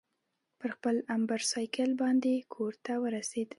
پر خپل امبرسایکل باندې کورته ورسېد.